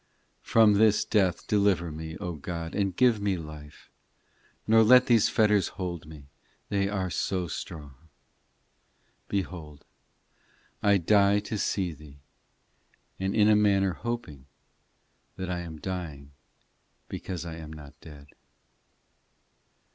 VII From this death deliver me, O God, and give me life, Nor let these fetters hold me ; They are so strong : Behold, I die to see Thee, And in a manner hoping That I am dying, because I am not dead.